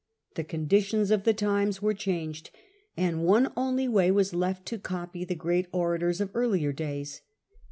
The con ditions of the times were changed, and one only way was left to copy the great orators of earlier days.